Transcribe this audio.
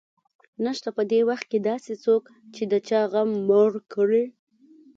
نشته په دې وخت کې داسې څوک چې د چا غم مړ کړي